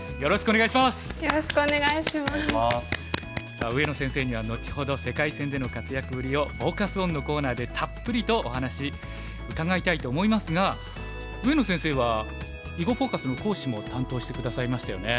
さあ上野先生には後ほど世界戦での活躍ぶりをフォーカス・オンのコーナーでたっぷりとお話伺いたいと思いますが上野先生は「囲碁フォーカス」の講師も担当して下さいましたよね。